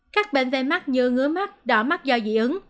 các bệnh về mắt như ngứa mắt đỏ mắt do dị ứng